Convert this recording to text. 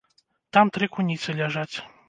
Там тры куніцы ляжаць.